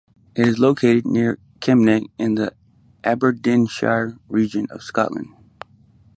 It is located near Kemnay in the Aberdeenshire region of Scotland.